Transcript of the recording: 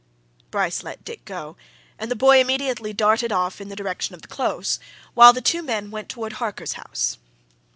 Bryce let Dick go, and the boy immediately darted off in the direction of the close, while the two men went towards Harker's house.